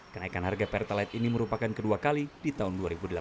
kenaikan harga pertalite ini merupakan kedua kali di tahun dua ribu delapan belas